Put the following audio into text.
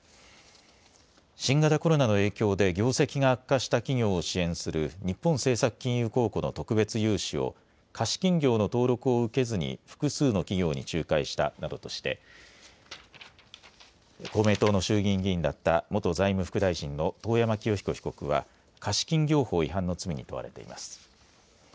新型コロナの影響で業績が悪化した企業を支援する日本政策金融公庫の特別融資を貸金業の登録を受けずに複数の企業に仲介したなどとして公明党の衆議院議員だった元財務副大臣の遠山清彦被告は貸金業法違反の罪に問われています。